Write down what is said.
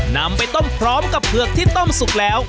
นำไปต้มพร้อมกับเผือกที่ต้มสุกแล้ว